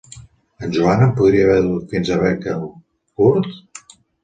En Joan podria haver-te dut fins a Brinkley Court?